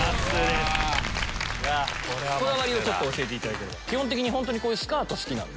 こだわりをちょっと教えていただければ。